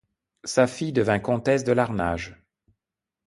Sa fille devint Comtesse de Larnage.